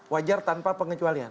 wajar tanpa pengecualian